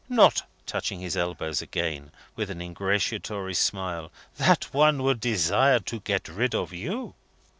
Not," touching his elbows again, with an ingratiatory smile, "that one would desire to get rid of you."